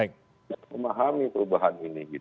yang memahami perubahan ini